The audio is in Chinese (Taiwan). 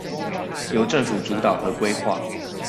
由政府主導和規劃